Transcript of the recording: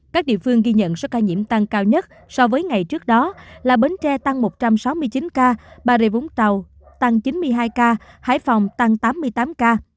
các địa phương ghi nhận số ca nhiễm tăng cao nhất so với ngày trước đó là bến tre tăng một trăm sáu mươi chín ca bà rịa vũng tàu tăng chín mươi hai ca hải phòng tăng tám mươi tám ca